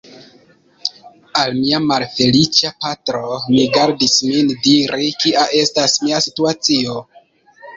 Al mia malfeliĉa patro, mi gardis min diri, kia estas mia situacio.